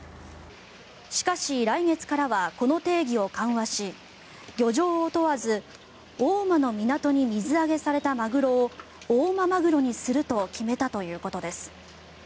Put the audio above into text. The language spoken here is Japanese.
しかし、来月からはこの定義を緩和し漁場を問わず大間の港に水揚げされたマグロを大間まぐろにすると決めたということです。